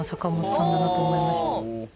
一番だなと思いました